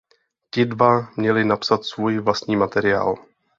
Ti dva měli napsat svůj vlastní materiál.